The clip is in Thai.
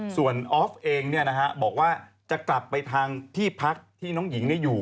ส่วนออฟเองบอกว่าจะกลับไปทางที่พักที่น้องหญิงอยู่